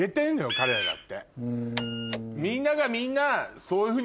彼らだって。